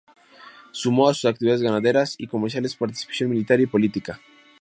Sumó a sus actividades ganaderas y comerciales, participación militar y política.